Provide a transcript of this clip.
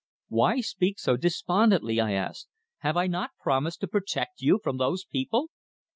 "Why speak so despondently?" I asked. "Have I not promised to protect you from those people?"